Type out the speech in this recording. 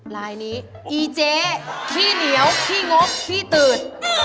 ลายนี้อีเจ๊ขี้เหนียวขี้งกขี้ตืด